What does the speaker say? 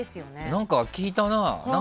なんか聞いたな。